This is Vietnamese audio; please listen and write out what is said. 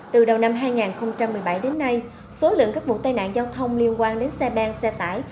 từ đầu năm hai nghìn một mươi bảy đến nay số lượng các vụ tai nạn giao thông liên quan đến xe ben xe tải